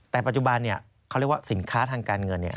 แต่ปัจจุบันเขาเรียกว่าสินค้าทางการเงิน